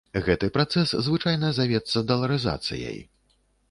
Гэты працэс звычайна завецца даларызацыяй.